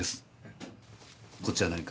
こっちは何か？